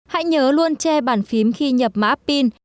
hãy nhớ luôn che bản phím khi nhập mã pin